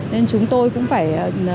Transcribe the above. nên chúng tôi cũng phải